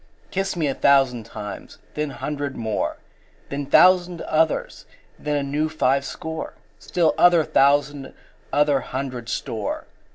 Kiss me a thousand times, then hundred more, Then thousand others, then a new five score, Still other thousand other hundred store.